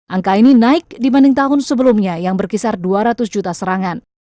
angka ini naik dibanding tahun sebelumnya yang berkisar dua ratus juta serangan